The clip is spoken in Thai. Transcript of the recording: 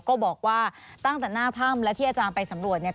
ก็บอกว่าตั้งแต่หน้าถ้ำและที่อาจารย์ไปสำรวจเนี่ย